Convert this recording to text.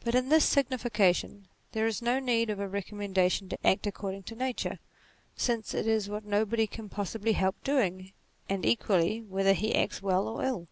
But in this signification, there is no need of a recommendation to act according to nature, since it is what nobody can possibly help doing, and equally whether he acts well or ill.